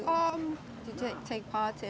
kamu pernah berparti di kompetisi